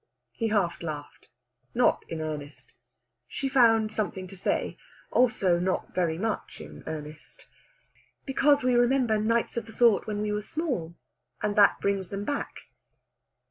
He half laughed, not in earnest. She found something to say, also not very much in earnest. "Because we remember nights of the sort when we were small, and that brings them back."